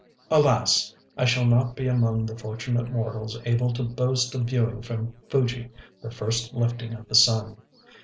Alas! I shall not be among the fortunate mortals able to boast of viewing from Fuji the first lifting of the sun!